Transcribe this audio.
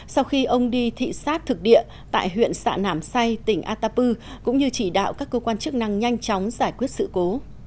sau khi ông đi thị xát thực địa tại huyện sạn nàm say tỉnh atapu cũng như chỉ đạo các cơ quan chức năng nhanh chóng giải quyết sự cố